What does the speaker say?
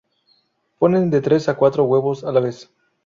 Ponen de tres a cuatro huevos a la vez.